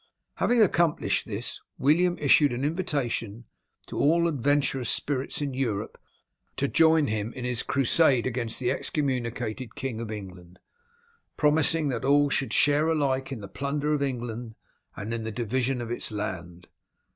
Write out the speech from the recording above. Having accomplished this, William issued an invitation to all adventurous spirits in Europe to join him in his crusade against the excommunicated King of England, promising that all should share alike in the plunder of England and in the division of its land.